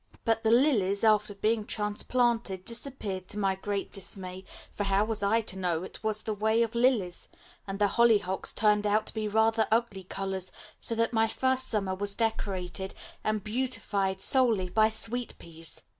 But the lilies, after being transplanted, disappeared to my great dismay, for how was I to know it was the way of lilies? And the hollyhocks turned out to be rather ugly colours, so that my first summer was decorated and beautified solely by sweet peas.